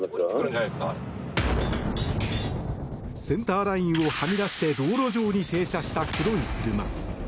センターラインをはみ出して道路上に停車した黒い車。